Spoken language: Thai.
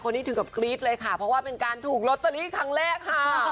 ถึงกับกรี๊ดเลยค่ะเพราะว่าเป็นการถูกลอตเตอรี่ครั้งแรกค่ะ